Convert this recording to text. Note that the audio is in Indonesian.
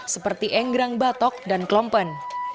seperti engrang batok dan klompen